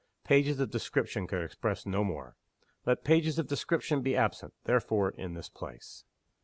Pages of description could express no more. Let pages of description be absent, therefore, in this place.